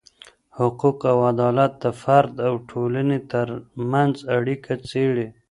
حقوق او عدالت د فرد او ټولني ترمنځ اړیکه څیړې.